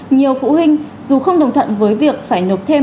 nhiều phụ huynh dù không đồng thuận với việc phải nộp thêm